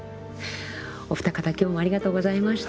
お二方今日もありがとうございました。